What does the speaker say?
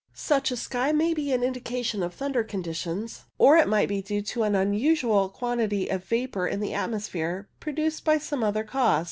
Such a sky might be an indication of thunder conditions, or it might be due to an unusual quantity of vapour in the atmosphere produced by some other cause.